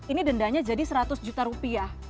ini dendanya jadi seratus juta rupiah